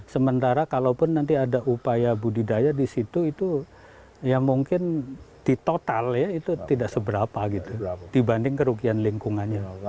sementara kalaupun nanti ada upaya budidaya di situ itu ya mungkin di total ya itu tidak seberapa gitu dibanding kerugian lingkungannya